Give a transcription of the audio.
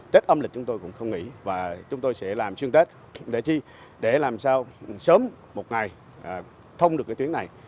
tết âm lịch chúng tôi cũng không nghỉ và chúng tôi sẽ làm truyền tết để làm sao sớm một ngày thông được cái tuyến này